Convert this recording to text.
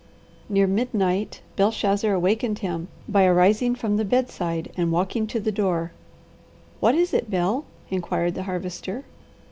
Near midnight Belshazzar awakened him by arising from the bedside and walking to the door. "What is it, Bel?" inquired the Harvester.